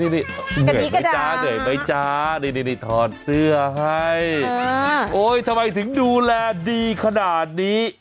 กะดี้กระดาษนี่ถอดเสื้อให้โอ๊ยทำไมถึงดูแลดีขนาดนี้